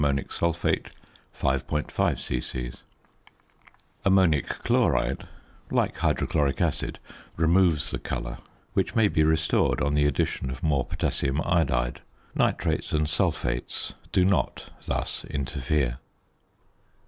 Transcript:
5 "|+++ Ammonic chloride, like hydrochloric acid, removes the colour, which may be restored on the addition of more potassium iodide. Nitrates and sulphates do not thus interfere.